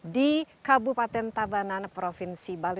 di kabupaten tabanan provinsi bali